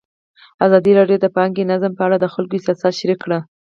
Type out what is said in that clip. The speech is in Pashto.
ازادي راډیو د بانکي نظام په اړه د خلکو احساسات شریک کړي.